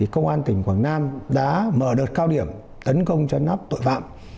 công an tỉnh quảng nam đã mở đợt cao điểm tấn công chấn áp tội phạm